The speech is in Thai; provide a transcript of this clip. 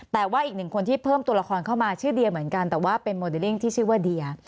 แต่ว่าอีกหนึ่งคนที่เพิ่มตัวละครเข้ามาชื่อเดียเหมือนกันแต่ว่าเป็นโมเดลลิ่งที่ชื่อว่าเดีย